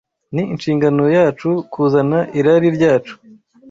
Ni inshingano yacu kuzana irari ryacu